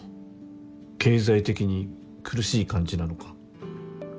経済的に苦しい感じなのか？